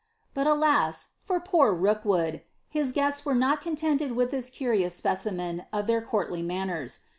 but, alas, for poor Rook wood ! his guests were not con * lented with this curious specimen of their courtly manners.